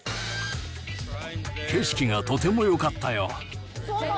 景色がとてもよかったよ。